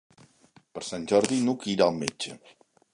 Per Sant Jordi n'Hug irà al metge.